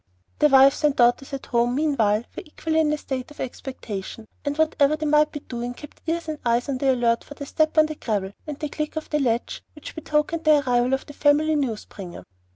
Their wives and daughters at home, meanwhile, were equally in a state of expectation, and whatever they might be doing kept ears and eyes on the alert for the step on the gravel and the click of the latch which betokened the arrival of the family news bringer.